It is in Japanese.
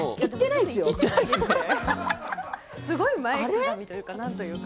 すごい前かがみというかなんていうか。